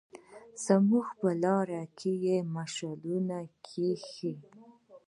موږ يې په لار کې مشالونه ايښي